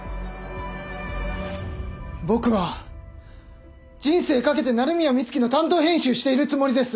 僕は人生懸けて鳴宮美月の担当編集しているつもりです。